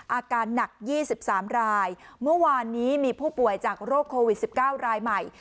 อาการหนัก๒๓รายเมื่อวานนี้มีผู้ป่วยจากโรคโควิด๑๙รายใหม่